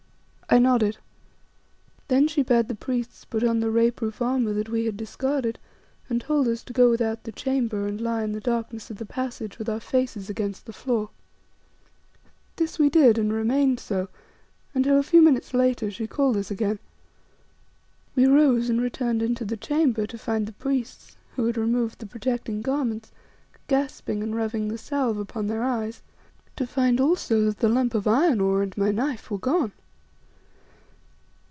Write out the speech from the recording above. I nodded. Then she bade the priests put on the ray proof armour that we had discarded, and told us to go without the chamber and lie in the darkness of the passage with our faces against the floor. This we did, and remained so until, a few minutes later, she called us again. We rose and returned into the chamber to find the priests, who had removed the protecting garments, gasping and rubbing the salve upon their eyes; to find also that the lump of iron ore and my knife were gone.